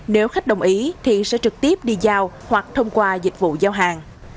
nếu khách đồng ý thì sẽ trực tiếp đi giao hoặc thông qua dịch vụ giao hàng